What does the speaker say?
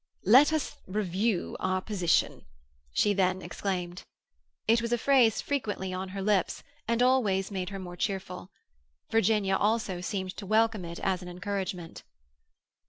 "Let us review our position," she then exclaimed. It was a phrase frequently on her lips, and always made her more cheerful. Virginia also seemed to welcome it as an encouragement.